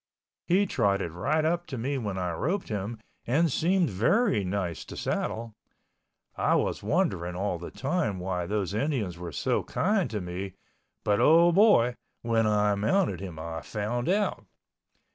He trotted right up to me when I roped him and seemed very nice to saddle. I was wondering all the time why those Indians were so kind to me, but oh boy, when I mounted him I found out.